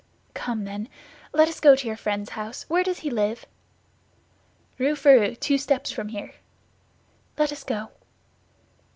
"Come, then, let us go to your friend's house. Where does he live?" "Rue Férou, two steps from here." "Let us go!"